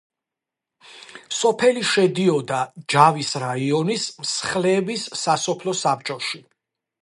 სოფელი შედიოდა ჯავის რაიონის მსხლების სასოფლო საბჭოში.